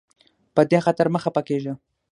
په دې خاطر مه خفه کیږه.